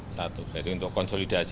satu jadi untuk konsolidasi